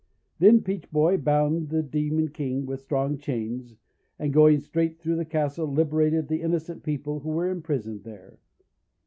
Then Peach Boy bound the Demon King with strong chains, and, going through the castle, liberated the innocent people who were imprisoned there.